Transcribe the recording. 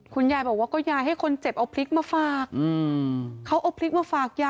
คุณยายบอกว่ายายให้ห้องเจ็บเอาพลิกมาฝากแล้วหนูปว่ากลินเอาพลิคมาฝากนะ